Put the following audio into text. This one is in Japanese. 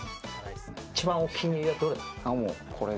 一番お気に入りはどれ？